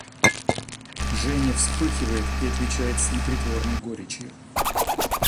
Женя вспыхивает и отвечает с непритворной горечью